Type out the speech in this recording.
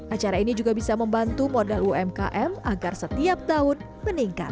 acara ini juga bisa membantu modal umkm agar setiap tahun meningkat